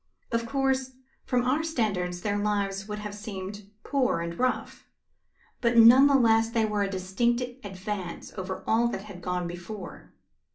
Of course, from our standards their lives would have seemed poor and rough, but none the less they were a distinct advance over all that had gone before.